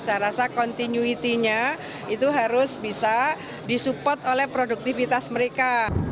saya rasa continuity nya itu harus bisa disupport oleh produktivitas mereka